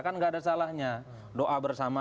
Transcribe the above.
kan nggak ada salahnya doa bersama